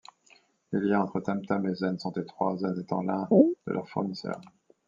Les liens entre Tam-Tam et Zen sont étroits, Zen étant l’un de leurs fournisseurs.